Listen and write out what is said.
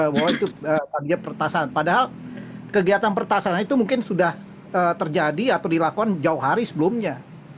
bahwa itu dia pertasan padahal kegiatan pertasan itu mungkin sudah terjadi atau dilakukan jauh hari sebelumnya